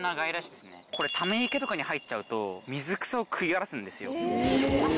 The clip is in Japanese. これため池とかに入っちゃうと水草を食い荒らすんですよ。